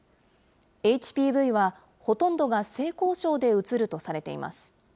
ＨＰＶは、ほとんどが性交渉でうつるとされています。